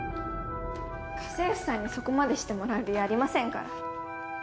家政婦さんにそこまでしてもらう理由ありませんから。